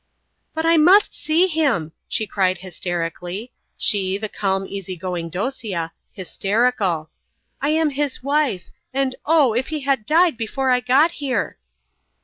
"But I must see him," she cried hysterically she, the calm, easy going Dosia, hysterical "I am his wife and oh, if he had died before I got here!"